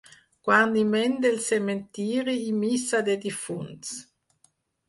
Guarniment del cementiri i missa de difunts.